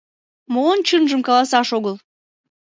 Молан чынжым каласаш огыл?»